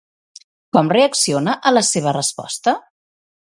Com reacciona a la seva resposta?